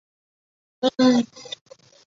蜈蚣蛇螺为蛇螺科下的一个种。